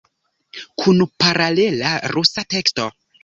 Kun paralela rusa teksto.